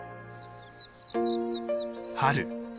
春。